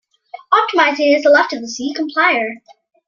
Optimizing is left to the C compiler.